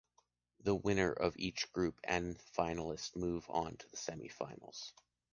The winner of each group and finalist move on to the semifinals.